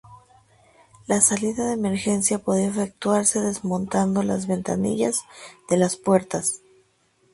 La salida de emergencia podía efectuarse desmontando las ventanillas de las puertas.